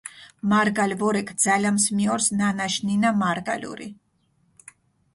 მარგალ ვორექ: ძალამს მიჸორს ნანაშ ნინა მარგალური.